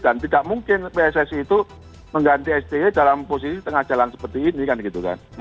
dan tidak mungkin pssi itu mengganti sti dalam posisi tengah jalan seperti ini kan gitu kan